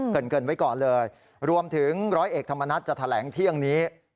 เกินไว้ก่อนเลยรวมถึงร้อยเอกธรรมนัฐจะแถลงเที่ยงนี้